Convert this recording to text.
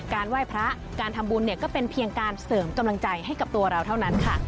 ไหว้พระการทำบุญเนี่ยก็เป็นเพียงการเสริมกำลังใจให้กับตัวเราเท่านั้นค่ะ